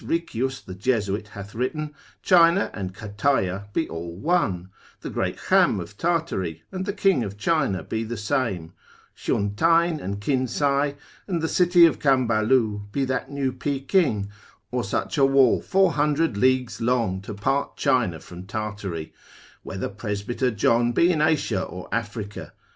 Riccius the Jesuit hath written, China and Cataia be all one, the great Cham of Tartary and the king of China be the same; Xuntain and Quinsay, and the city of Cambalu be that new Peking, or such a wall 400 leagues long to part China from Tartary: whether Presbyter John be in Asia or Africa; M.